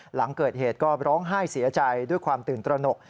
หลังเกิดเหตุก็ร้องไห้เสียใจด้วยความตื่นตระหนก